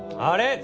あれ？